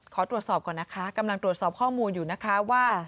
ขอตรวจสอบก่อนนะคะกำลังตรวจสอบข้อมูลอยู่นะคะว่า